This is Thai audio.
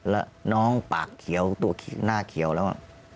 แล้วน้องปากเขียวตัวหน้าเขียวแล้ว